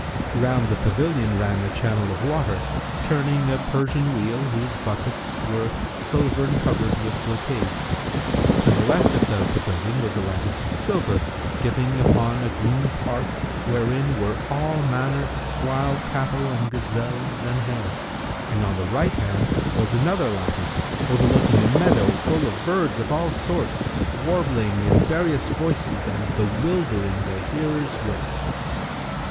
Round the pavilion ran a channel of water, turning a Persian wheel[FN#317] whose buckets[FN#318] were silvern covered with brocade. To the left of the pavilion[FN#319] was a lattice of silver, giving upon a green park, wherein were all manner wild cattle and gazelles and hares, and on the right hand was another lattice, overlooking a meadow full of birds of all sorts, warbling in various voices and bewildering the hearers' wits.